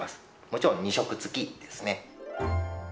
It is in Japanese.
もちろん２食付きですね。